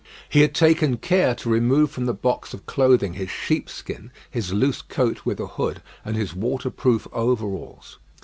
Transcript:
He had taken care to remove from the box of clothing his sheepskin, his loose coat with a hood, and his waterproof overalls.